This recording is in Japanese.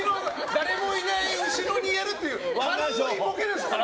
誰もいない後ろにやるっていう軽いボケですから。